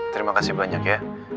terima kasih banyak ya